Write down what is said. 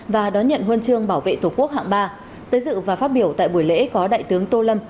và đón nhận huân chương bảo vệ tổ quốc hạng ba tới dự và phát biểu tại buổi lễ có đại tướng tô lâm